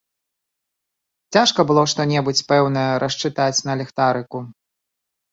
Цяжка было што-небудзь пэўнае расчытаць на ліхтарыку.